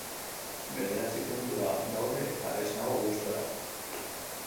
Bederatzi puntura gaude eta ez nago gustora.